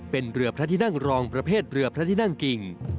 เป็นเรือพระที่นั่งรองประเภทเรือพระที่นั่งกิ่ง